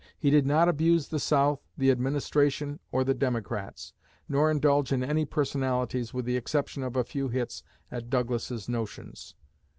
He did not abuse the South, the administration, or the Democrats, nor indulge in any personalities, with the exception of a few hits at 'Douglas's notions.'